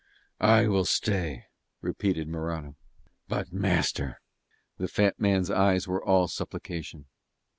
"I will stay," repeated Morano. "But, master ..." The fat man's eyes were all supplication.